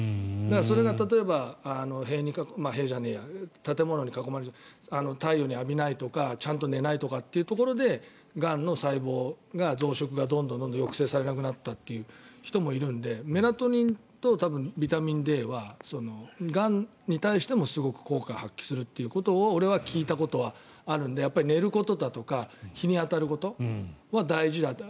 それが例えば建物に囲まれて太陽を浴びないとかちゃんと寝ないというところでがんの細胞が増殖がどんどん抑制されなくなったという人もいるのでメラトニンとビタミンＤはがんに対してもすごく効果を発揮するということは俺は聞いたことがあるので寝ることだとか日に当たることは大事だと。